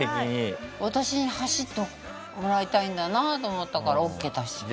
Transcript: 私に走ってもらいたいんだなと思ったからオーケー出して。